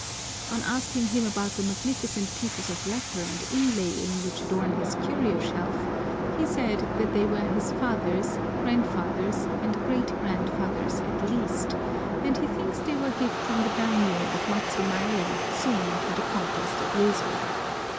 On asking him about the magnificent pieces of lacquer and inlaying which adorn his curio shelf, he said that they were his father's, grandfather's, and great grandfather's at least, and he thinks they were gifts from the daimiyô of Matsumae soon after the conquest of Yezo.